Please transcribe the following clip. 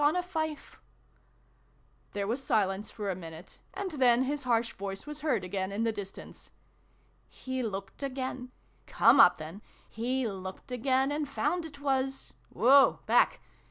335 There was silence for a minute : and then his harsh voice was heard again in the distance. " He looked again come up, then ! He looked again, and found it was woa back